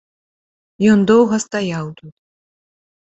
Ён доўга стаяў тут.